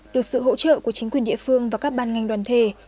được sự hỗ trợ của chính quyền địa phương và các ban ngành đoàn thể